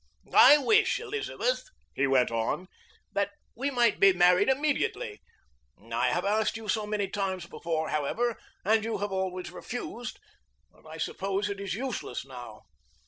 "I wish, Elizabeth," he went on, "that we might be married immediately. I have asked you so many times before, however, and you have always refused, that I suppose it is useless now.